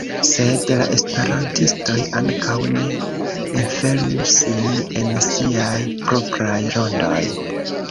Sed la esperantistoj ankaŭ ne enfermu sin en siaj propraj rondoj.